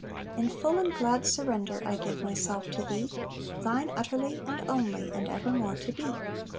"In full and glad surrender I give myself to Thee, Thine utterly, and only, and evermore to be!